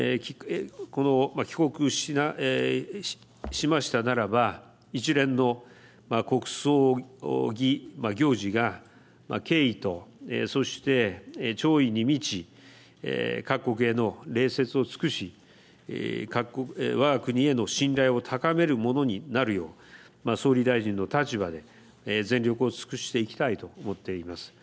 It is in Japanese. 帰国しましたならば一連の国葬儀行事が敬意とそして弔意に満ち各国への礼節を尽くしわが国への信頼を高めるものになるよう総理大臣の立場で全力を尽くしていきたいと思っています。